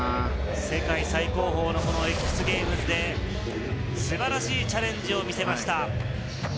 世界最高峰のＸＧａｍｅｓで素晴らしいチャレンジを見せました。